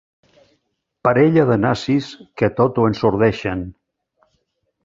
Parella de nazis que tot ho ensordeixen.